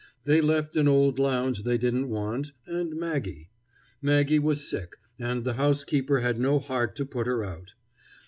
They left an old lounge they didn't want, and Maggie. Maggie was sick, and the housekeeper had no heart to put her out.